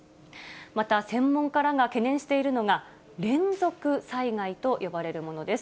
また専門家らが懸念しているのが、連続災害と呼ばれるものです。